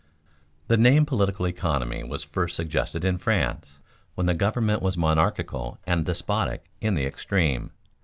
_ The name political economy was first suggested in France when the government was monarchical and despotic in the extreme.